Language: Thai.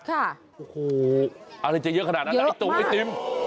โอ้โหอะไรจะเยอะขนาดนั้นแล้วไอ้ตุ่มไอติม